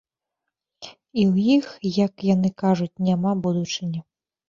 І ў іх, як яны кажуць, няма будучыні.